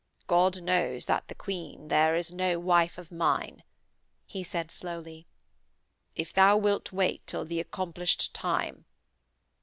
'God knows that the Queen there is is no wife of mine,' he said slowly. 'If thou wilt wait till the accomplished time....'